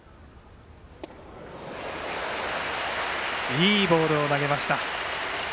いいボールを投げました。